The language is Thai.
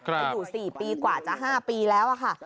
จะอยู่๔ปีกว่าจะ๕ปีแล้วค่ะ